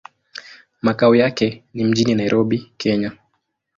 Makao yake ni mjini Nairobi, Kenya.